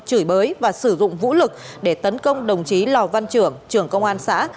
chửi bới và sử dụng vũ lực để tấn công đồng chí lò văn trưởng trưởng công an xã